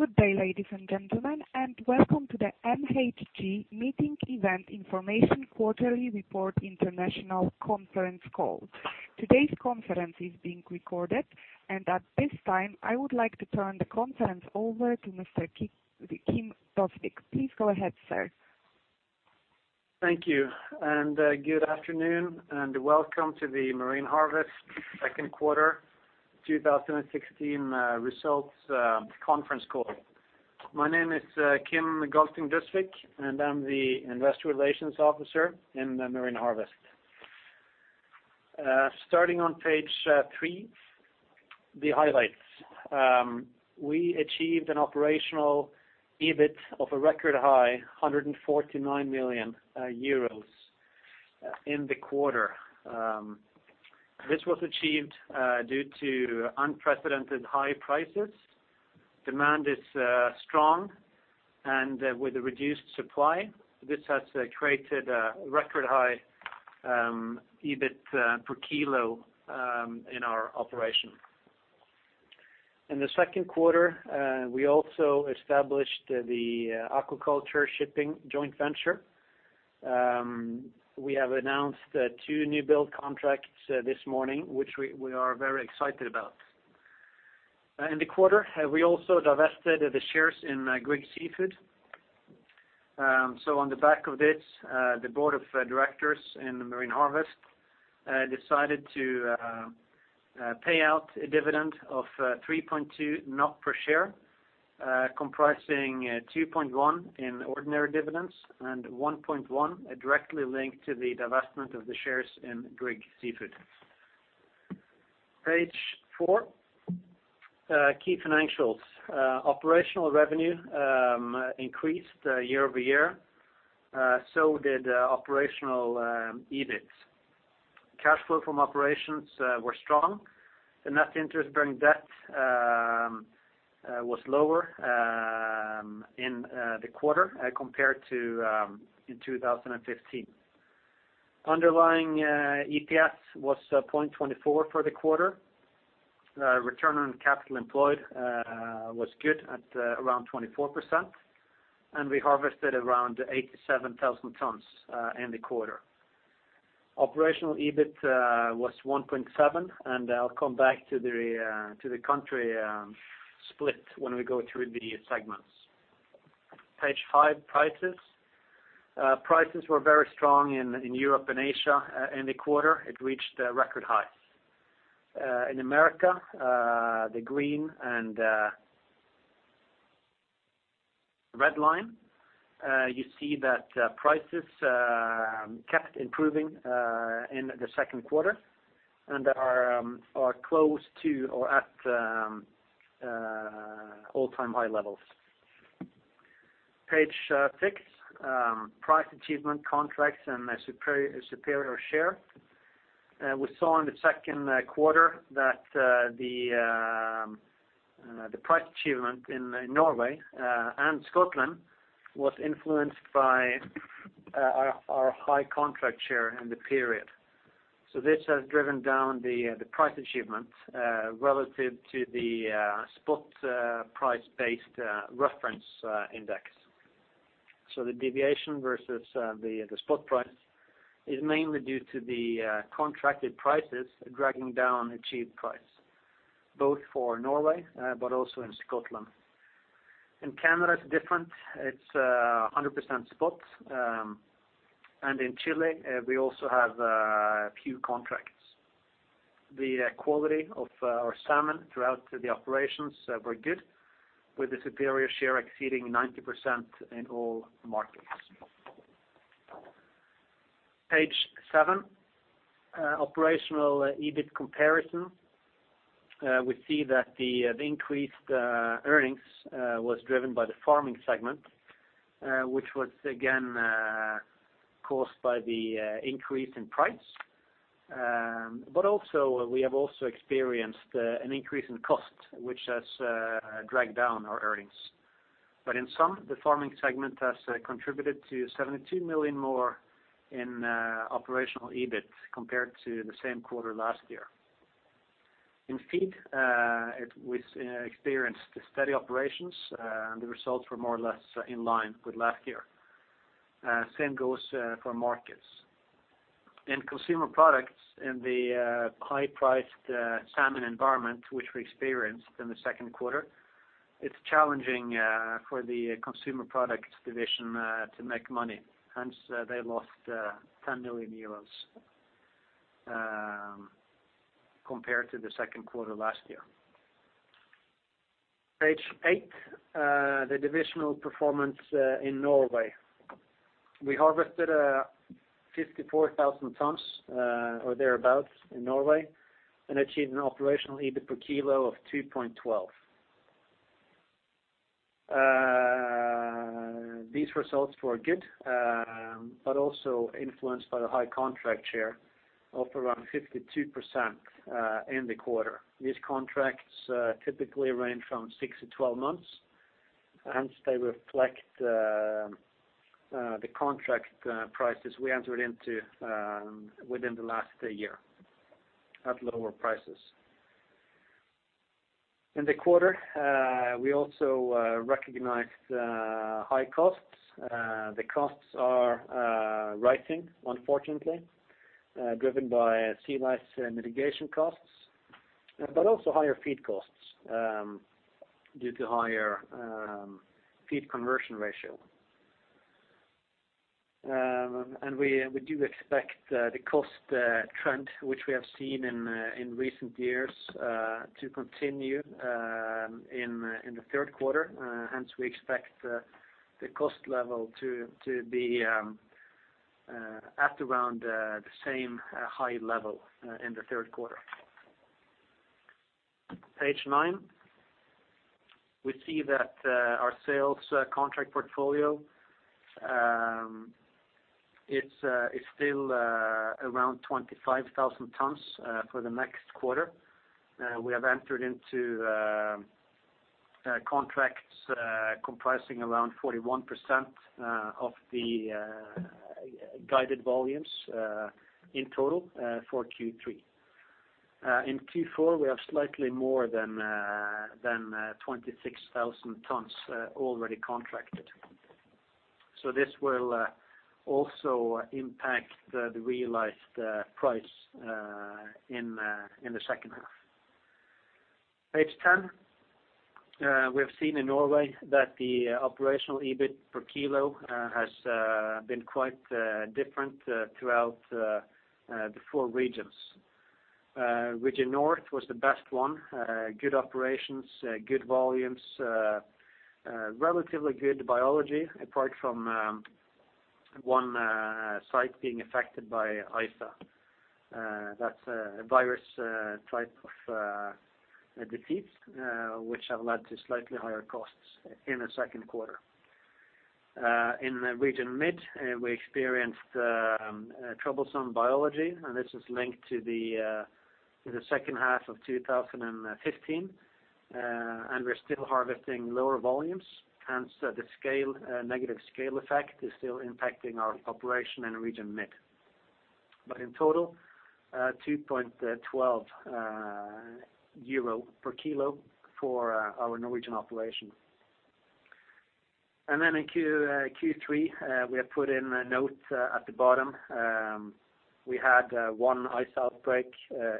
Good day, ladies and gentlemen, welcome to the MHG meeting event information quarterly report international conference call. Today's conference is being recorded, and at this time, I would like to turn the conference over to Mr. Kim Galtung Døsvig. Please go ahead, sir. Thank you, good afternoon, and welcome to the Marine Harvest second quarter 2016 results conference call. My name is Kim Galtung Døsvig, and I'm the investor relations officer in Marine Harvest. Starting on page three, the highlights. We achieved an operational EBIT of a record high 149 million euros in the quarter. This was achieved due to unprecedented high prices. Demand is strong and with a reduced supply, this has created a record high EBIT per kilo in our operation. In the second quarter, we also established the aquaculture shipping joint venture. We have announced two new build contracts this morning, which we are very excited about. In the quarter, we also divested the shares in Grieg Seafood. On the back of this, the board of directors in Marine Harvest decided to pay out a dividend of 3.2 per share, comprising 2.1 in ordinary dividends and 1.1 directly linked to the divestment of the shares in Grieg Seafood. Page four, key financials. Operational revenue increased year-over-year, so did operational EBIT. Cash flow from operations were strong. The net interest-bearing debt was lower in the quarter compared to in 2015. Underlying EPS was 0.24 for the quarter. Return on capital employed was good at around 24%, and we harvested around 87,000 tons in the quarter. Operational EBIT was 1.7 and I'll come back to the country split when we go through the segments. Page five, prices. Prices were very strong in Europe and Asia in the quarter, it reached record highs. In America, the green and red line, you see that prices kept improving in the Q2 and are close to or at all-time high levels. Page six, price achievement contracts and superior share. We saw in the Q2 that the price achievement in Norway and Scotland was influenced by our high contract share in the period. This has driven down the price achievement relative to the spot price-based reference index. The deviation versus the spot price is mainly due to the contracted prices dragging down achieved price, both for Norway but also in Scotland. In Canada, it's 100% spot. In Chile, we also have a few contracts. The quality of our salmon throughout the operations were good, with the superior share exceeding 90% in all markets. Page seven, operational EBIT comparison. We see that the increased earnings was driven by the farming segment, which was again caused by the increase in price. We have also experienced an increase in cost, which has dragged down our earnings. The farming segment has contributed to 72 million more in operational EBIT compared to the same quarter last year. In Feed, we experienced steady operations. The results were more or less in line with last year. Same goes for Markets. In Consumer Products, in the high-priced salmon environment which we experienced in the second quarter, it's challenging for the Consumer Products division to make money, hence they lost 10 million euros compared to the second quarter last year. Page eight, the divisional performance in Norway. We harvested 54,000 tons, or thereabout, in Norway and achieved an operational EBIT per kilo of 2.12. These results were good but also influenced by the high contract share of around 52% in the quarter. These contracts typically range from six to 12 months, hence they reflect the contract prices we entered into within the last year. At lower prices. In the quarter, we also recognized high costs. The costs are rising, unfortunately, driven by sea lice mitigation costs, but also higher feed costs due to higher feed conversion ratio. We do expect the cost trend, which we have seen in recent years, to continue in the third quarter. Hence, we expect the cost level to be at around the same high level in the third quarter. Page nine. We see that our sales contract portfolio is still around 25,000 tons for the next quarter. We have entered into contracts comprising around 41% of the guided volumes in total for Q3. In Q4, we have slightly more than 26,000 tons already contracted. This will also impact the realized price in the second half. Page 10. We have seen in Norway that the operational EBIT per kilo has been quite different throughout the four regions. Region North was the best one. Good operations, good volumes, relatively good biology, apart from one site being affected by ISA. That's a virus type of disease which have led to slightly higher costs in the second quarter. In Region Mid, we experienced troublesome biology, this is linked to the second half of 2015. We're still harvesting lower volumes, hence the negative scale effect is still impacting our operation in Region Mid. In total, 2.12 euro per kilo for our Norwegian operations. In Q3, we have put in a note at the bottom. We had one ISA outbreak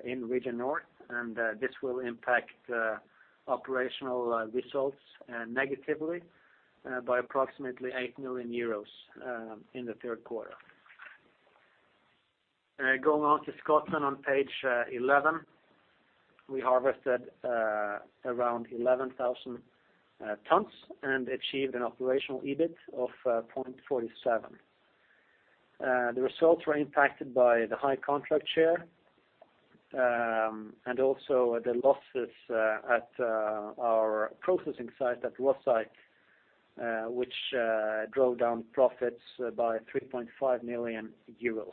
in Region North. This will impact operational results negatively by approximately 8 million euros in the third quarter. Going on to Scotland on Page 11. We harvested around 11,000 tons. Achieved an operational EBIT of 0.47. The results were impacted by the high contract share. Also the losses at our processing site at Rosyth, which drove down profits by 3.5 million euros.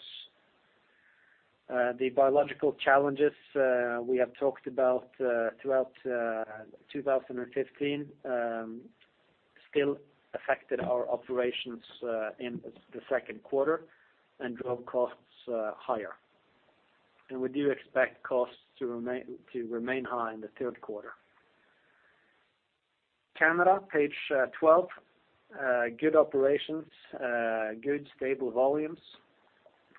The biological challenges we have talked about throughout 2015 still affected our operations in the second quarter. Drove costs higher. We do expect costs to remain high in the third quarter. Canada, Page 12. Good operations, good stable volumes.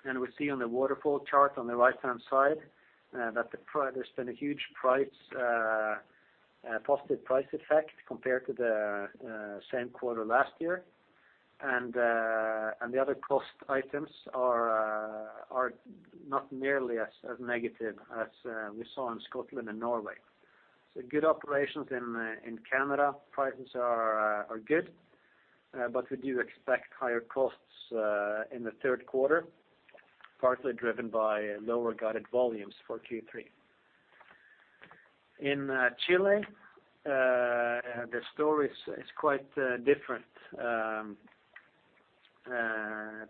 We see on the waterfall chart on the right-hand side that there's been a huge positive price effect compared to the same quarter last year. The other cost items are not nearly as negative as we saw in Scotland and Norway. Good operations in Canada. Prices are good, but we do expect higher costs in the third quarter, partly driven by lower guided volumes for Q3. In Chile, the story is quite different.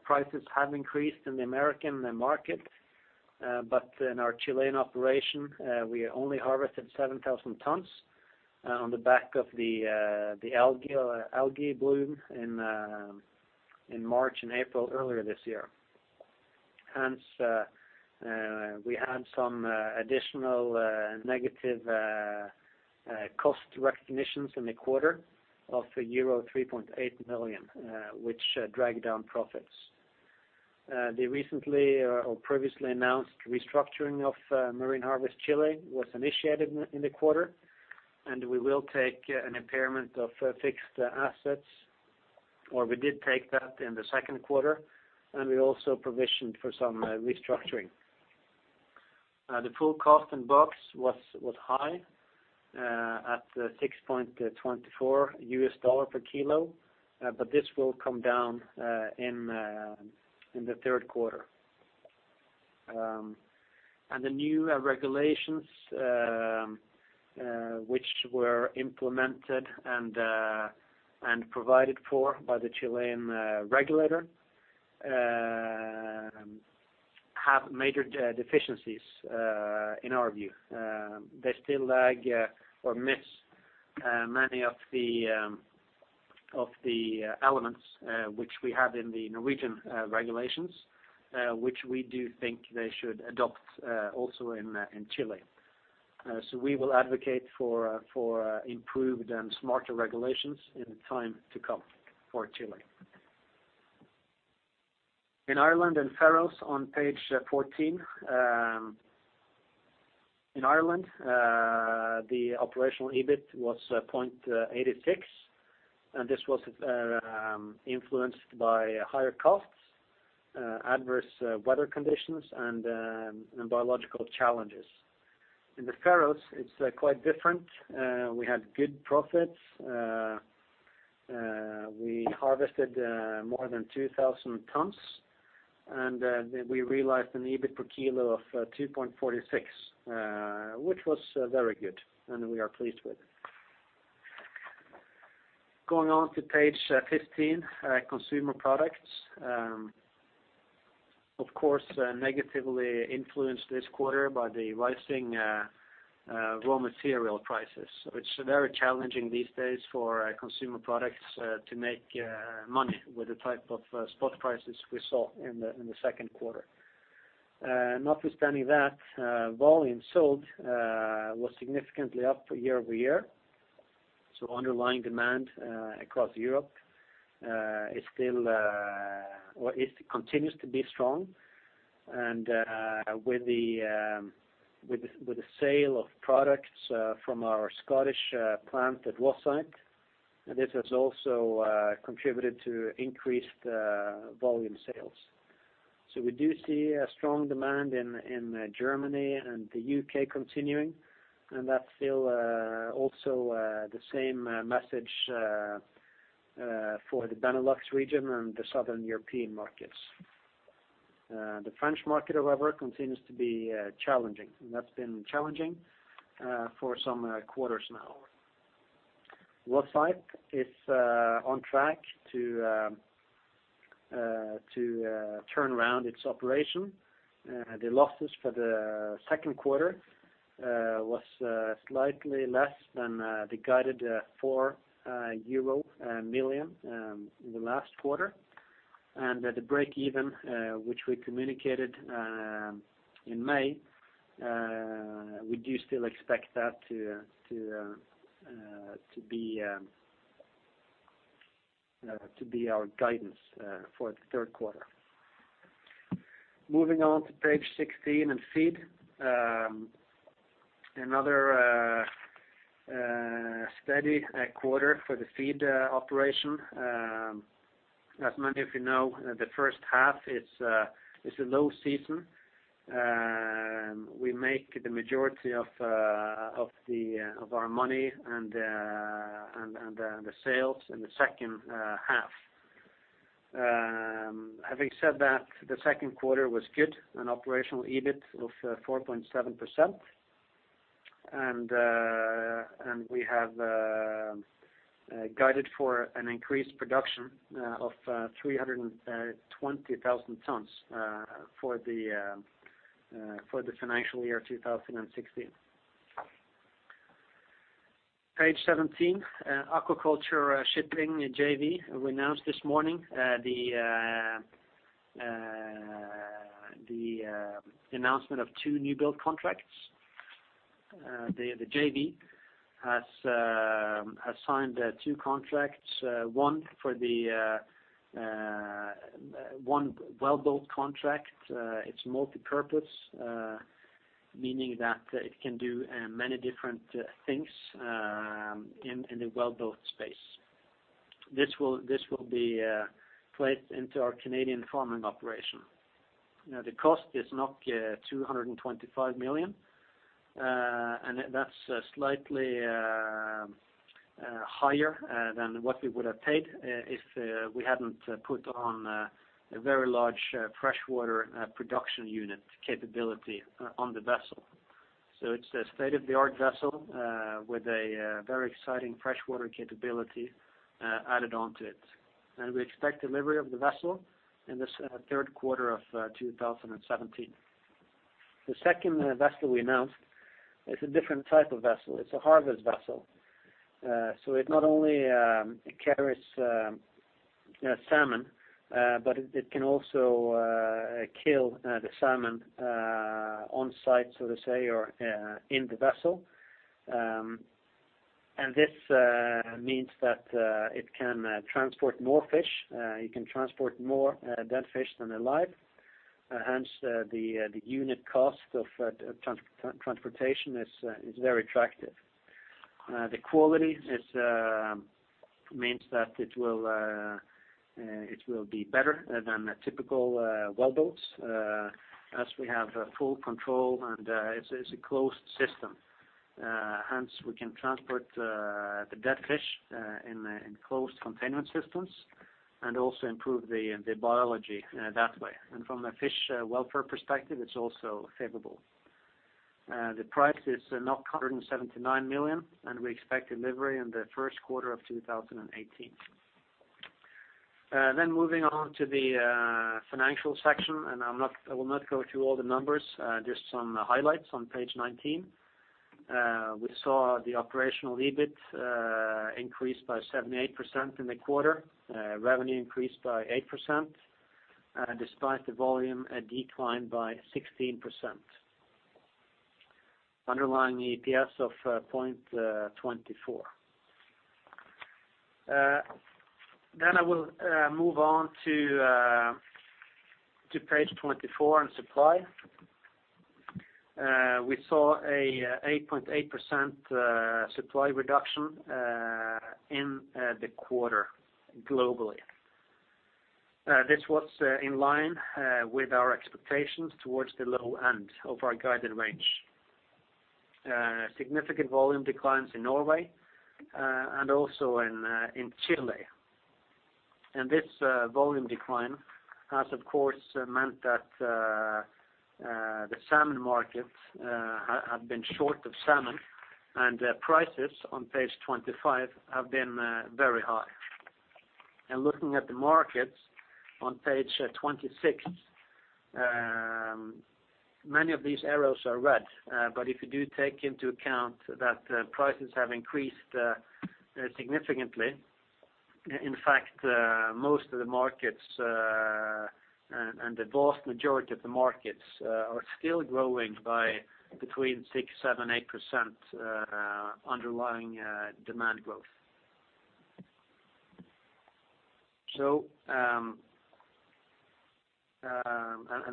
Prices have increased in the American market, but in our Chilean operation, we only harvested 7,000 tons on the back of the algae bloom in March and April earlier this year. Hence, we had some additional negative cost recognitions in the quarter of euro 3.8 million, which dragged down profits. The recently or previously announced restructuring of Marine Harvest Chile was initiated in the quarter, and we will take an impairment of fixed assets, or we did take that in the second quarter, and we also provisioned for some restructuring. The full cost in books was high at $6.24 per kilo, but this will come down in the third quarter. The new regulations, which were implemented and provided for by the Chilean regulator, have major deficiencies in our view. They still lag or miss many of the elements which we have in the Norwegian regulations, which we do think they should adopt also in Chile. We will advocate for improved and smarter regulations in time to come for Chile. In Ireland and Faroes on page 14. In Ireland, the operational EBIT was 0.86, and this was influenced by higher costs, adverse weather conditions, and biological challenges. In the Faroes, it's quite different. We had good profits. We harvested more than 2,000 tons, and we realized an EBIT per kilo of 2.46, which was very good, and we are pleased with. Going on to page 15, consumer products. Of course, negatively influenced this quarter by the rising raw material prices. It's very challenging these days for consumer products to make money with the type of spot prices we saw in the second quarter. Notwithstanding that, volume sold was significantly up year-over-year, so underlying demand across Europe continues to be strong and with the sale of products from our Scottish plant at Rosyth, this has also contributed to increased volume sales. We do see a strong demand in Germany and the U.K. continuing, and that's still also the same message for the Benelux region and the southern European markets. The French market, however, continues to be challenging, and that's been challenging for some quarters now. Rosyth is on track to turn around its operation. The losses for the second quarter was slightly less than the guided 4 million euro in the last quarter. The breakeven which we communicated in May, we do still expect that to be our guidance for the third quarter. Moving on to page 16 and feed. Another steady quarter for the feed operation. As many of you know, the first half is a low season. We make the majority of our money and the sales in the second half. Having said that, the second quarter was good, an operational EBIT of 4.7%, and we have guided for an increased production of 320,000 tons for the financial year 2016. Page 17, aquaculture shipping and JV. We announced this morning the announcement of two new build contracts. The JV has signed two contracts, one wellboat contract. It's multipurpose, meaning that it can do many different things in a wellboat space. This will be placed into our Canadian farming operation. The cost is 225 million. That's slightly higher than what we would have paid if we hadn't put on a very large freshwater production unit capability on the vessel. It's a state-of-the-art vessel with a very exciting freshwater capability added on to it. We expect delivery of the vessel in the third quarter of 2017. The second vessel we announced is a different type of vessel. It's a harvest vessel. It not only carries salmon, but it can also kill the salmon on-site, so to say, or in the vessel. This means that it can transport more fish. It can transport more dead fish than alive, hence the unit cost of transportation is very attractive. The quality means that it will be better than the typical wellboat as we have full control, and it's a closed system. Hence we can transport the dead fish in closed containment systems and also improve the biology that way. From a fish welfare perspective, it's also favorable. The price is 179 million, and we expect delivery in the first quarter of 2018. Moving on to the financial section, and I will not go through all the numbers, just some highlights on page 19. We saw the operational EBIT increase by 78% in the quarter. Revenue increased by 8%, despite the volume decline by 16%. Underlying EPS of 0.24. I will move on to page 24 on supply. We saw a 8.8% supply reduction in the quarter globally. This was in line with our expectations towards the low end of our guided range. Significant volume declines in Norway, and also in Chile. This volume decline has, of course, meant that the salmon markets have been short of salmon, and prices on page 25 have been very high. Looking at the markets on page 26, many of these arrows are red. If you do take into account that prices have increased significantly, in fact, most of the markets and the vast majority of the markets are still growing by between 6%, 7%, 8% underlying demand growth.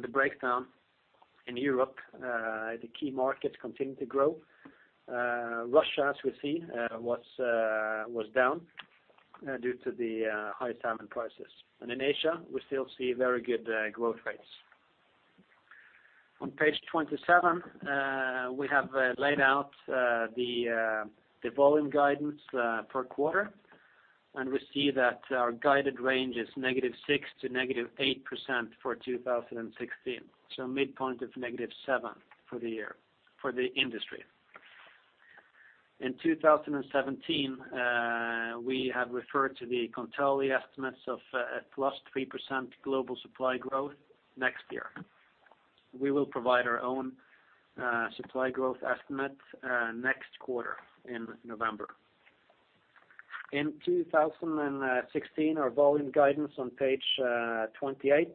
The breakdown in Europe, the key markets continue to grow. Russia, as we see, was down due to the high salmon prices. In Asia, we still see very good growth rates. On page 27, we have laid out the volume guidance per quarter, and we see that our guided range is -6% to -8% for 2016. Midpoint of -7% for the year, for the industry. In 2017, we have referred to the Kontali estimates of a +3% global supply growth next year. We will provide our own supply growth estimate next quarter in November. In 2016, our volume guidance on page 28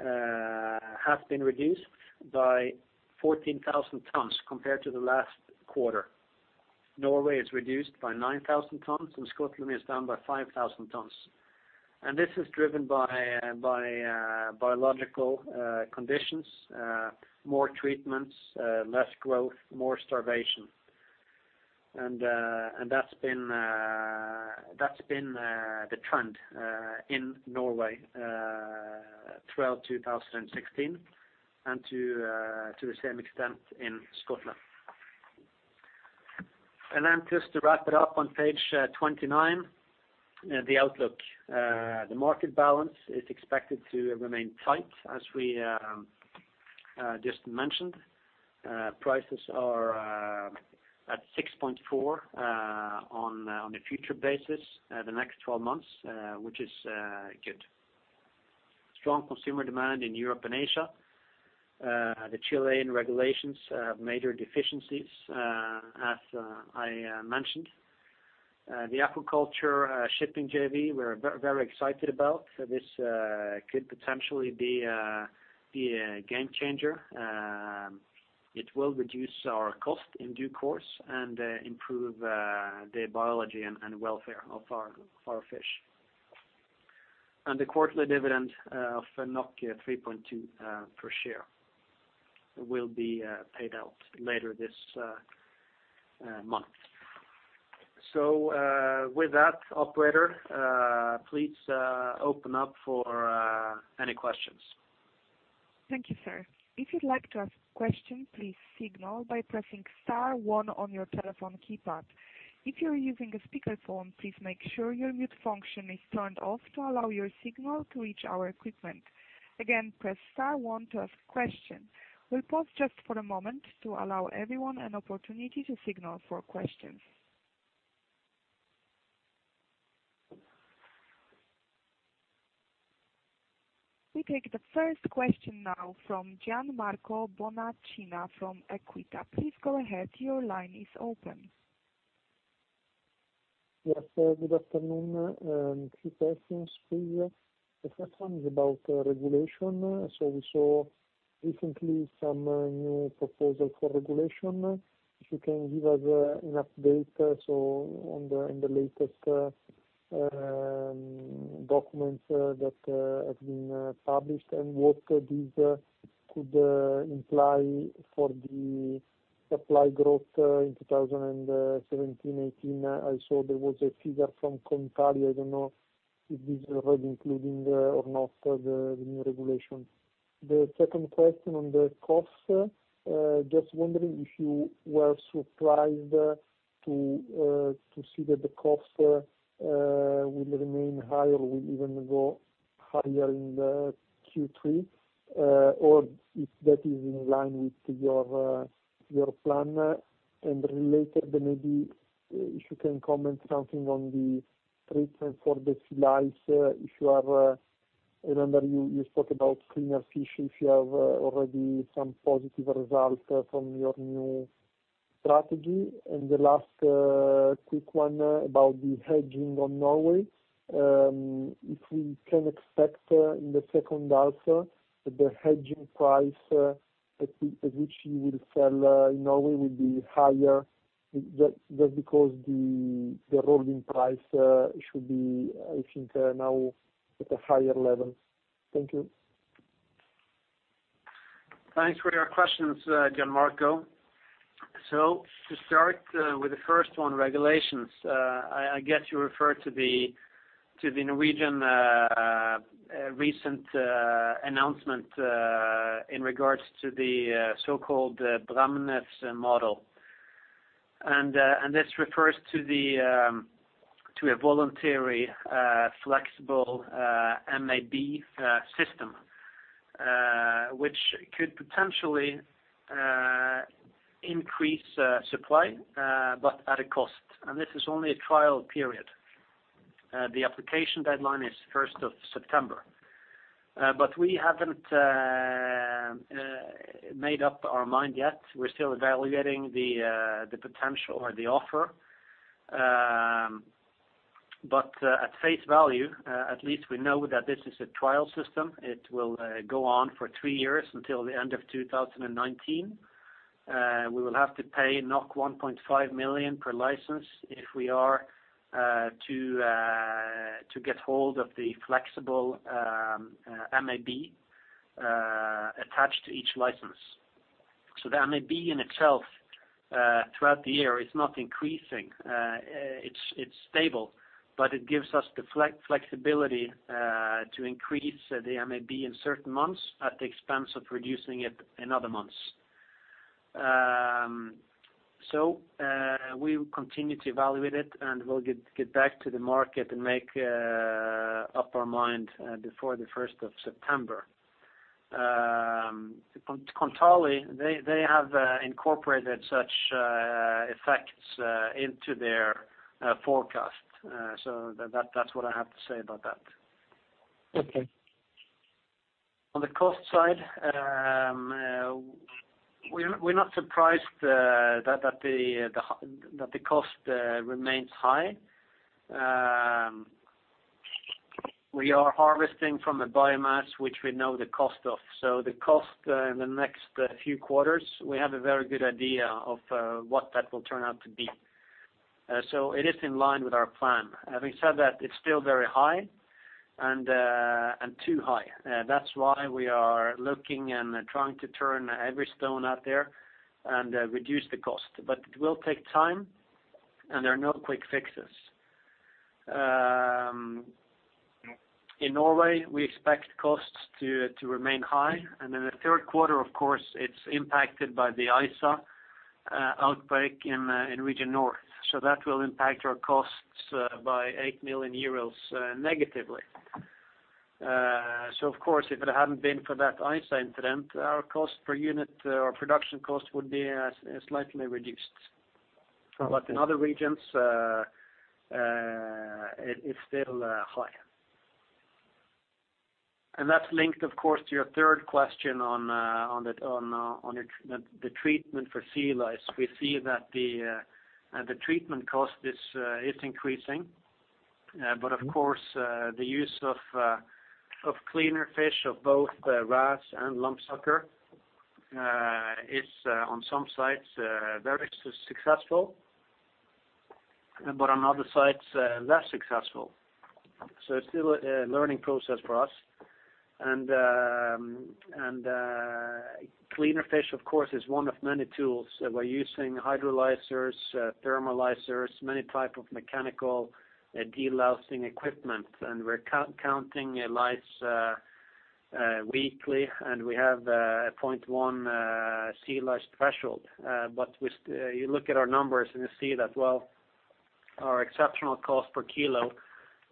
has been reduced by 14,000 tonnes compared to the last quarter. Norway is reduced by 9,000 tonnes, and Scotland is down by 5,000 tonnes. This is driven by biological conditions, more treatments, less growth, more starvation. That's been the trend in Norway throughout 2016 and to the same extent in Scotland. Just to wrap it up on page 29, the outlook. The market balance is expected to remain tight as we just mentioned. Prices are at 64 on a future basis, the next 12 months, which is good. Strong consumer demand in Europe and Asia. The Chilean regulations have major deficiencies, as I mentioned. The aquaculture shipping JV, we're very excited about. This could potentially be a game changer. It will reduce our cost in due course and improve the biology and welfare of our fish. The quarterly dividend of 3.2 per share will be paid out later this month. With that, operator, please open up for any questions. We take the first question now from Gianmarco Bonacina from EQUITA. Please go ahead, your line is open. Yes, sir. Good afternoon. Three questions, please. The first one is about regulation. We saw recently some new proposal for regulation. If you can give us an update on the latest documents that have been published and what these could imply for the supply growth in 2017-2018. I saw there was a figure from Kontali. I don't know if this is already including or not the new regulation. The second question on the costs. Just wondering if you were surprised to see that the costs will remain high or will even go higher in the Q3, or if that is in line with your plan. Related, maybe if you can comment something on the treatment for the sea lice. I remember you spoke about cleaner fish, if you have already some positive results from your new strategy. The last quick one about the hedging on Norway. If we can expect in the second half the hedging price at which you will sell in Norway will be higher, just because the rolling price should be, I think now at a higher level. Thank you. Thanks for your questions, Gianmarco. To start with the first one, regulations. I guess you refer to the Norwegian recent announcement in regards to the so-called Bremes model. This refers to a voluntary, flexible MAB system, which could potentially increase supply but at a cost. This is only a trial period. The application deadline is first of September. We haven't made up our mind yet. We're still evaluating the potential or the offer. At face value, at least we know that this is a trial system. It will go on for three years until the end of 2019. We will have to pay 1.5 million per license if we are to get hold of the flexible MAB attached to each license. The MAB in itself throughout the year is not increasing. It's stable. It gives us the flexibility to increase the MAB in certain months at the expense of reducing it in other months. We will continue to evaluate it and we'll get back to the market and make up our mind before the first of September. Kontali, they have incorporated such effects into their forecast. That's what I have to say about that. Okay. On the cost side, we're not surprised that the cost remains high. We are harvesting from a biomass which we know the cost of, so the cost in the next few quarters, we have a very good idea of what that will turn out to be. It is in line with our plan. Having said that, it's still very high and too high. That's why we are looking and trying to turn every stone out there and reduce the cost. It will take time and there are no quick fixes. In Norway, we expect costs to remain high, and in the third quarter, of course, it's impacted by the ISA outbreak in region north. That will impact our costs by 8 million euros negatively. Of course, if it hadn't been for that ISA incident, our cost per unit or production cost would be slightly reduced. In other regions, it's still high. That's linked of course, to your third question on the treatment for sea lice. We see that the treatment cost is increasing. Of course, the use of cleaner fish of both wrasse and lumpsucker is on some sites very successful, but on other sites less successful. It's still a learning process for us and cleaner fish of course is one of many tools. We're using Hydrolicer, Thermolicer, many type of mechanical delousing equipment, and we're counting lice weekly and we have a 0.1 sea lice threshold. You look at our numbers and you see that, well, our exceptional cost per kilo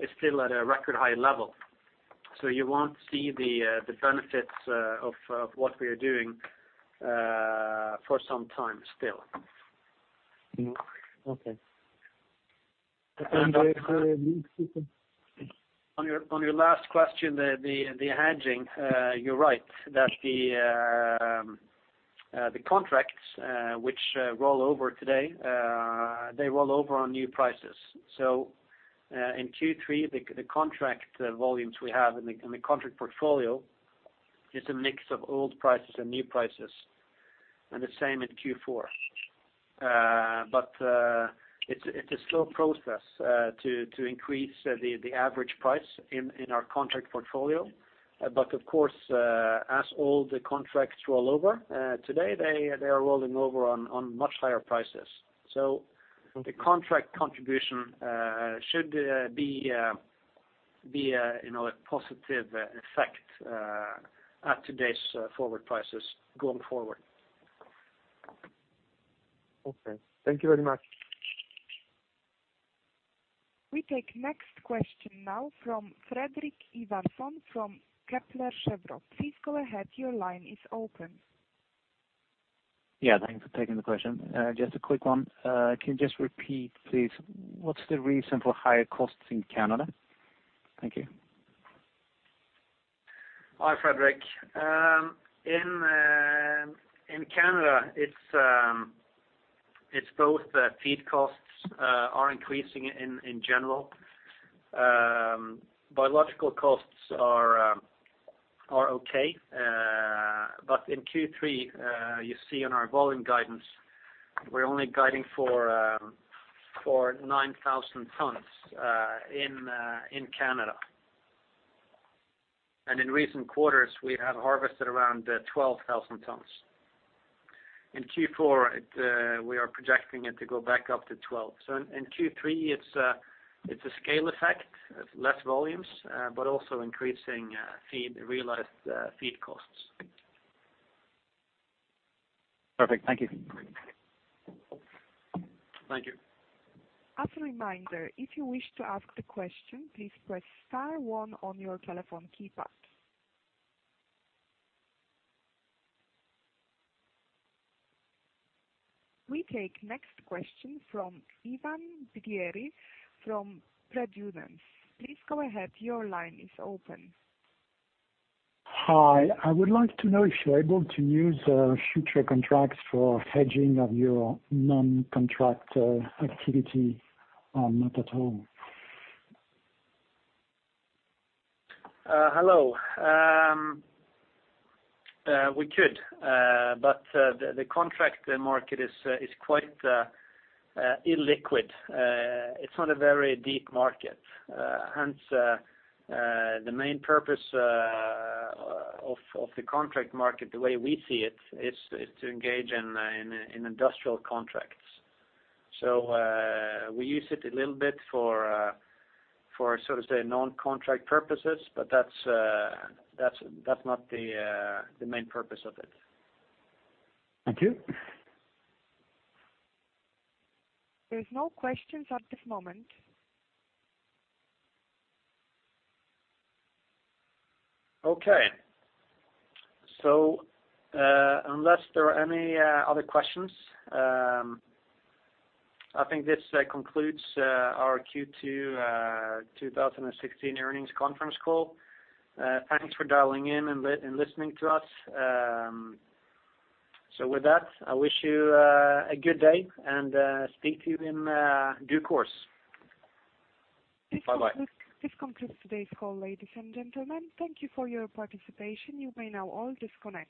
is still at a record high level. You won't see the benefits of what we are doing for some time still. Okay. The next question. On your last question, the hedging, you're right that the contracts which roll over today, they roll over on new prices. In Q3, the contract volumes we have in the contract portfolio is a mix of old prices and new prices, and the same in Q4. It's a slow process to increase the average price in our contract portfolio. Of course, as all the contracts roll over today, they are rolling over on much higher prices. The contract contribution should be a positive effect at today's forward prices going forward. Okay. Thank you very much. We take next question now from Fredrik Ivarsson from Kepler Cheuvreux. Please go ahead, your line is open. Yeah, thanks for taking the question. Just a quick one. Can you just repeat, please, what's the reason for higher costs in Canada? Thank you. Hi, Fredrik. In Canada, it's both. The feed costs are increasing in general. Biological costs are okay. In Q3, you see in our volume guidance, we're only guiding for 9,000 tons in Canada. In recent quarters, we have harvested around 12,000 tons. In Q4, we are projecting it to go back up to 12. In Q3, it's a scale effect. It's less volumes, but also increasing realized feed costs. Perfect. Thank you. Thank you. As a reminder, if you wish to ask a question, please press star one on your telephone keypad. We take next question from Ivan Vidieri from Tradunen. Please go ahead. Your line is open. Hi. I would like to know if you're able to use future contracts for hedging of your non-contract activity method at all. Hello. We could. The contract market is quite illiquid. It's not a very deep market. Hence, the main purpose of the contract market, the way we see it, is to engage in industrial contracts. We use it a little bit for so to say non-contract purposes. That's not the main purpose of it. Thank you. There's no questions at this moment. Okay. Unless there are any other questions, I think this concludes our Q2 2016 earnings conference call. Thanks for dialing in and listening to us. With that, I wish you a good day, and speak to you in due course. Bye-bye. This concludes today's call, ladies and gentlemen. Thank you for your participation. You may now all disconnect.